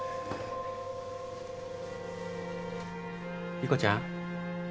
莉子ちゃん。